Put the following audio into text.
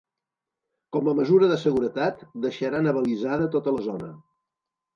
Com a mesura de seguretat, deixaran abalisada tota la zona.